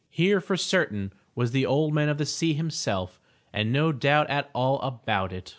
Here, for certain, was the Old Man of the Sea himself and no doubt at all about it.